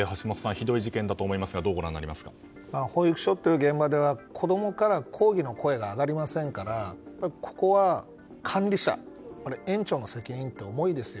ひどい事件だと思いますが保育所という現場では子供から抗議の声が上がりませんからここは、管理者やっぱり園長の責任って思いですよ。